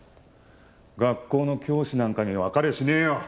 学校の教師なんかにわかりゃしねえよ！